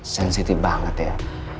sensitif banget ya